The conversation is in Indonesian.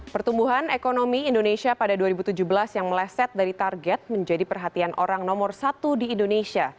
pertumbuhan ekonomi indonesia pada dua ribu tujuh belas yang meleset dari target menjadi perhatian orang nomor satu di indonesia